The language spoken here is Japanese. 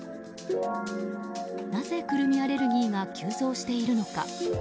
なぜクルミアレルギーが急増しているのか。